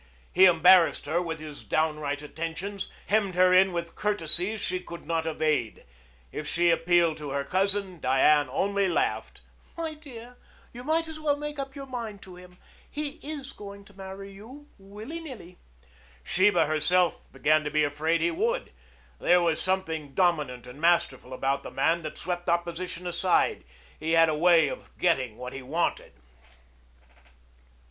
He embarrassed her with his downright attentions, hemmed her in with courtesies she could not evade. If she appealed to her cousin, Diane only laughed. "My dear, you might as well make up your mind to him. He is going to marry you, willy nilly." Sheba herself began to be afraid he would. There was something dominant and masterful about the man that swept opposition aside. He had a way of getting what he wanted.